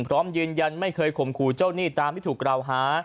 พร้อมยืนยันไม่เคยข่มขู่เจ้าหนี้ตามที่ถูกกล่าวหา